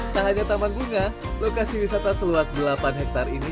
tak hanya taman bunga lokasi wisata seluas delapan hektare ini